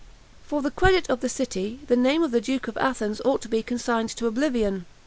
"For the credit of the city, the name of the duke of Athens ought to be consigned to oblivion.